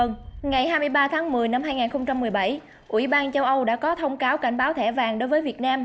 ngày hai mươi ba tháng một mươi năm hai nghìn một mươi bảy ủy ban châu âu đã có thông cáo cảnh báo thẻ vàng đối với việt nam